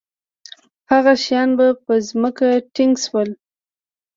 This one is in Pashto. هغه شیان به په ځمکه ټینګ شول.